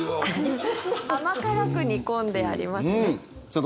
甘辛く煮込んであります。